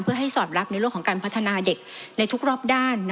เพื่อให้สอดรับในเรื่องของการพัฒนาเด็กในทุกรอบด้าน